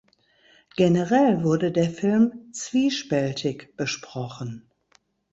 Generell wurde der Film zwiespältig besprochen.